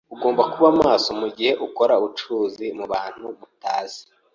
Ugomba kuba maso mugihe ukora ubucuruzi nabantu mutazi.